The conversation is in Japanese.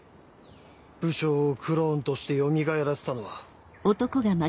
武将をクローンとしてよみがえらせたのは。